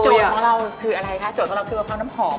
ของเราคืออะไรคะโจทย์ของเราคือมะพร้าวน้ำหอม